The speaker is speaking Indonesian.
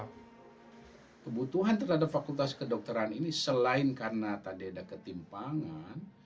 karena kebutuhan terhadap fakultas kedokteran ini selain karena tadi ada ketimpangan